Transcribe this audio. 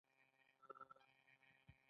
همدارنګه هلته اومه مواد او ځمکه ارزانه ده